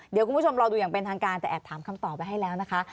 เดี๋ยวคุณผู้ชมรอดูอย่างเป็นทางการแต่แอบถามคำตอบไว้ให้แล้วนะคะ